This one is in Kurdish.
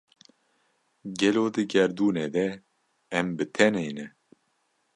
Gelo di gerdûnê de em bi tenê ne?